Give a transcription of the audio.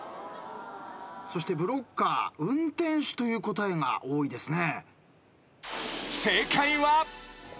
そしてブロッカー「運転手」という答えが多いですね。